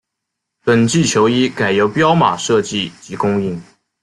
本季球衣改由彪马设计及供应。